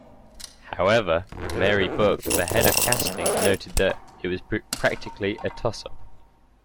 However, Mary Buck, the head of casting, noted that, it was practically a tossup.